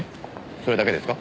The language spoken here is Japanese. それだけですか？